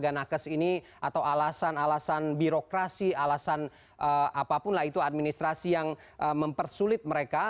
apakah itu adalah alasan alasan birokrasi alasan apa pun administrasi yang mempersulit mereka